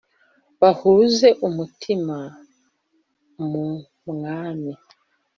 bahuze umutima a mu Mwami